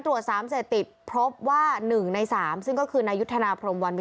วู้อยกันไป